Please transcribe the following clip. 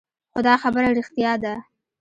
خو دا خبره رښتيا ده.